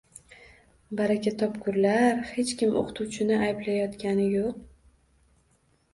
Baraka topkurlar, hech kim oʻqituvchini ayblayotgani yoʻq.